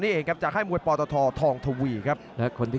อื้อหือจังหวะขวางแล้วพยายามจะเล่นงานด้วยซอกแต่วงใน